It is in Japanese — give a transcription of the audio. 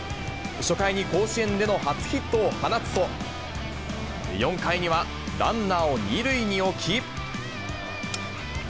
初回に甲子園での初ヒットを放つと、４回には、ランナーを２塁に置き。